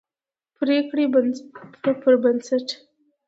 پرېکړې پربنسټ